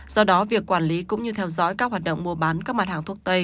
do đó việc quản lý cũng như theo dõi các hoạt động mua bán các mặt hàng thuốc tây